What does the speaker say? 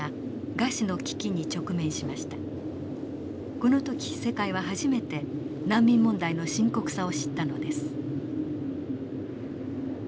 この時世界は初めて難民問題の深刻さを知ったのです。